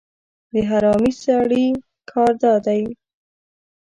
د حرامي سړي کار دا دی